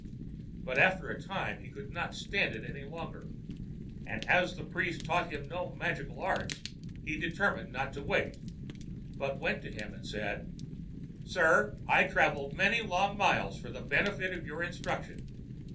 But after a time he could not stand it any longer; and as the priest taught him no magical arts he determined not to wait, but went to him and said, ãSir, I travelled many long miles for the benefit of your instruction.